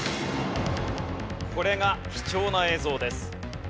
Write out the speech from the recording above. これが貴重な映像です。